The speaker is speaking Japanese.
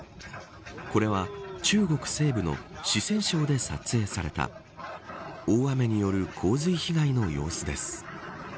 これは、中国西部の四川省で撮影された大雨による洪水被害の様子です。